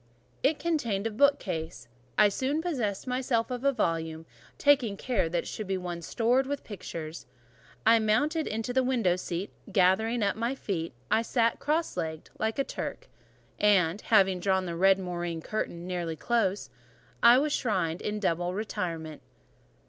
It contained a bookcase: I soon possessed myself of a volume, taking care that it should be one stored with pictures. I mounted into the window seat: gathering up my feet, I sat cross legged, like a Turk; and, having drawn the red moreen curtain nearly close, I was shrined in double retirement.